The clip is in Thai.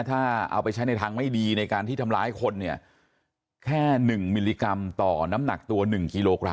ถ้าเอาไปใช้ในทางไม่ดีในการที่ทำร้ายคนเนี่ยแค่๑มิลลิกรัมต่อน้ำหนักตัว๑กิโลกรั